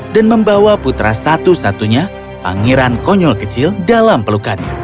dan membawa putra satu satunya pangeran konyol kecil dalam pelukannya